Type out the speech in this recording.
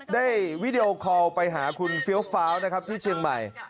ได้วิดีโอคอลไปหาคุณเฟียลฟ้าวที่เชียงใหม่